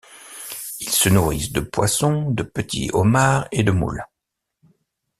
Ils se nourrissent de poissons, de petits homards et de moules.